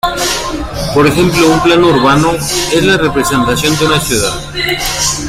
Por ejemplo, un plano urbano es la representación de una ciudad.